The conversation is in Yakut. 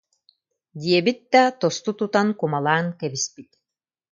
диэбит да, тосту тутан кумалаан кэбиспит